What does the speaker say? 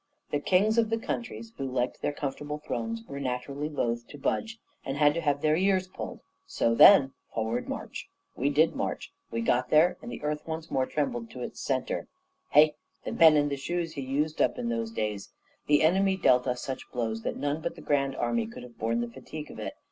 The kings of the countries, who liked their comfortable thrones, were, naturally, loath to budge, and had to have their ears pulled; so then Forward, march! We did march; we got there; and the earth once more trembled to its centre. Hey! the men and the shoes he used up in those days! The enemy dealt us such blows that none but the grand army could have borne the fatigue of it.